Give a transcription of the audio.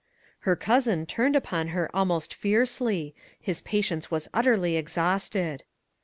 Her cousin turned upon her almost fiercely; his patience was utterly exhausted.